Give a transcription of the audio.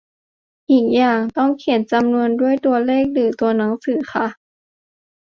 อีกอย่าง ต้องเขียนจำนวนด้วยตัวเลขหรือตัวหนังสือคะ ?